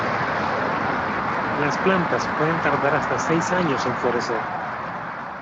Las plantas pueden tardar hasta seis años en florecer.